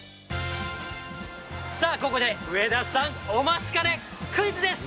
さあ、ここで上田さん、お待ちかね、クイズです。